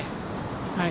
はい。